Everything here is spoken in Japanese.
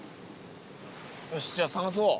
よしじゃあ探そう！